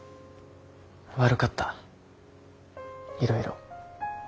悪かったいろいろ。